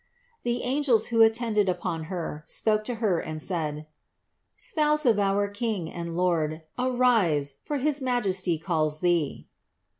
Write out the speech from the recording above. The angels, •who attended upon Her, spoke to Her and said : "Spouse of our King and Lord, arise, for his Majesty calls Thee."